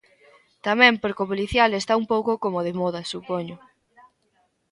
Tamén porque o policial está un pouco como de moda, supoño.